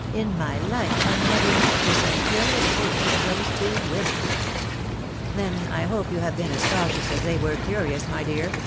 " In my hfe I never met with such curious people as those two women." " Then I hope you have been as cautious as they were curious, my dear